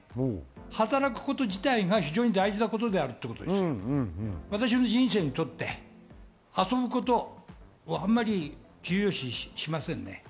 働き方自体がすごく大事なことである、私の人生にとって遊ぶことはあまり重要視しませんね。